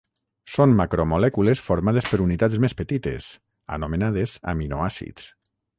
Són macromolècules formades per unitats més petites, anomenades aminoàcids.